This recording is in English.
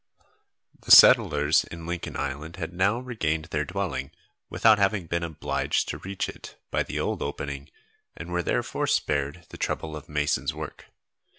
The settlers in Lincoln Island had now regained their dwelling, without having been obliged to reach it by the old opening, and were therefore spared the trouble of mason's work.